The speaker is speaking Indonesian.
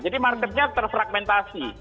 jadi marketnya terfragmentasi